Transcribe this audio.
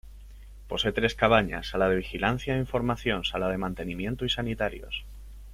Posee tres cabañas: Sala de vigilancia e información, sala de mantenimiento y sanitarios.